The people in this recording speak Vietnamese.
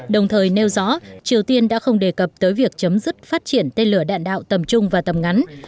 đồng thời nêu rõ triều tiên đã không đề cập tới việc chấm dứt phát triển tên lửa đạn đạo tầm trung và tầm ngắn